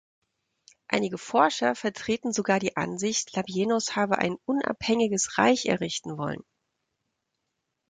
Einige Forscher vertreten sogar die Ansicht, Labienus habe ein unabhängiges Reich errichten wollen.